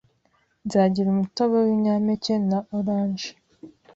Nzagira umutobe w'ibinyampeke na orange.